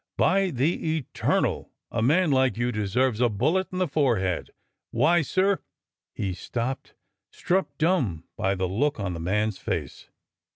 By the Eternal! a man like you deserves a bullet in the forehead! Why, sir—" He stopped, struck dumb by the look on the man's face.